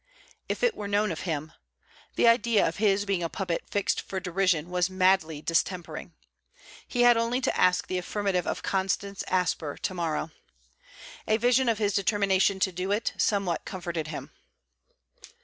If it were known of him! The idea of his being a puppet fixed for derision was madly distempering. He had only to ask the affirmative of Constance Asper to morrow! A vision of his determination to do it, somewhat comforted him.